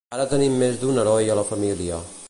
Ara tenim més d'un heroi a la família.